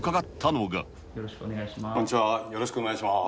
よろしくお願いします。